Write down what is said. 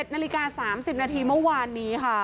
๑๗นสามสิบนาทีเมื่อวันนี้ค่ะ